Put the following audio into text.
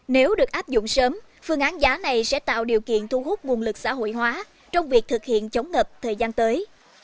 nếu được áp dụng sớm phương án giá này sẽ tạo điều kiện thu hút nguồn lực xã hội hóa trong việc thực hiện chống ngập thời gian tới